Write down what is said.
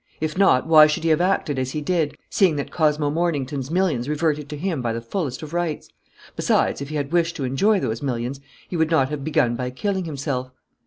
If not, why should he have acted as he did, seeing that Cosmo Mornington's millions reverted to him by the fullest of rights? Besides, if he had wished to enjoy those millions, he would not have begun by killing himself.